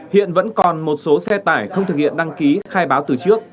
hiện vẫn còn một số xe tải không thực hiện đăng ký khai báo từ trước